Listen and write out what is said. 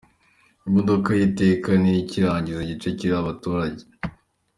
Imodoka ye iteka niyo ikingiriza igice kiriho abaturage.